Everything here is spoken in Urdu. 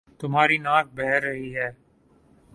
تمہاری ناک بہ رہی ہے